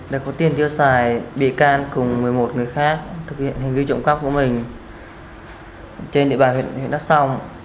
để có tiền tiêu xài bị can cùng một mươi một người khác thực hiện hành vi trộm cấp của mình trên địa bàn huyện đắc sông